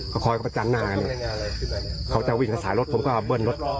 พอคอยเขาไปจัดหน้านะครับเขาจะวิ่งมาสายรถผมก็เอาเบิ้ลรถ